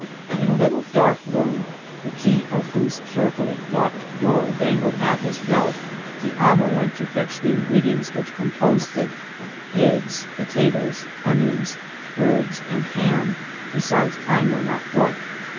In a little dark room, the key of whose carefully locked door dangled at his belt, the amo went to fetch the ingredients which composed it — eggs, pota toes, onions, herbs, and ham, besides I know not what.